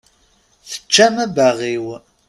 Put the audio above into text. Teččam abbaɣ-iw.